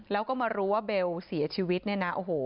แล้วก็มารู้ว่าเบลเสียชีวิตนี่นะ